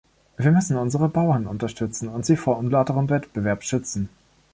Wir müssen unsere Bauern unterstützen und sie vor unlauterem Wettbewerb schützen.